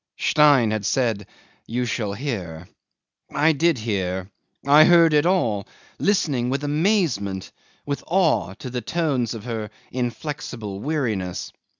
'Stein had said, "You shall hear." I did hear. I heard it all, listening with amazement, with awe, to the tones of her inflexible weariness.